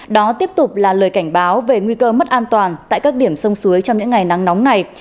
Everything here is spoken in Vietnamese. đó tiếp tục là lời cảnh báo về nguy cơ mất an toàn tại các điểm sông suối trong những ngày nắng nóng này